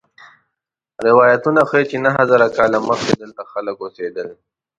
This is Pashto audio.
روایتونه ښيي چې نهه زره کاله مخکې دلته خلک اوسېدل.